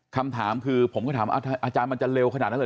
คำถามคือผมก็ถามอาจารย์มันจะเร็วขนาดนั้นเลย